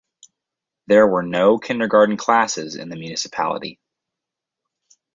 There were no kindergarten classes in the municipality.